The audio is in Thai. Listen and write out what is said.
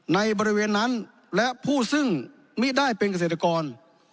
ในบริเวณนั้นและผู้ซึ่งมิได้เป็นเกษตรกร